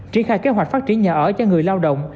triển khai kế hoạch phát triển nhà ở cho người lao động